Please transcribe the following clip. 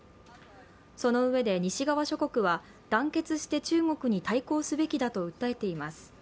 そのうえで、西側諸国は団結して中国に対抗すべきだと訴えています。